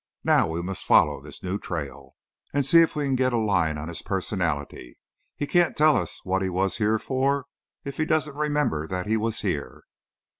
Now we must follow this new trail, and see if we can get a line on his personality. He can't tell us what he was here for, if he doesn't remember that he was here."